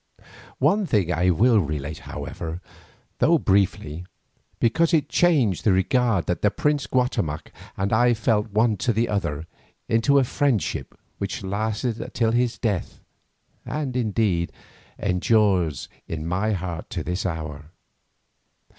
One thing I will relate, however, though briefly, because it changed the regard that the prince Guatemoc and I felt one to the other into a friendship which lasted till his death, and indeed endures in my heart to this hour.